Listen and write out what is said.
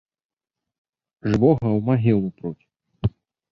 Жывога ў магілу пруць.